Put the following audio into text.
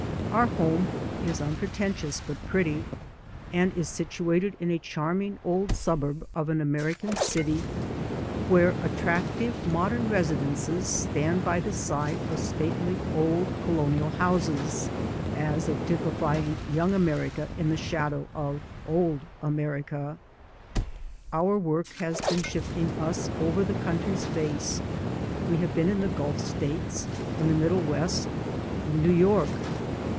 Our home is unpretentious but pretty, and is situ ated in a charming old suburb of an Ameri can city where attractive modern residences stand by the side of stately old Colonial houses, as if typifying young America in the shadow of old America. Our work has been shifting us over the country's face; we have been in the Gulf States, in the Middle West, in New York.